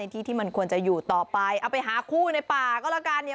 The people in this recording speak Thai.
ที่ที่มันควรจะอยู่ต่อไปเอาไปหาคู่ในป่าก็แล้วกันเนี่ย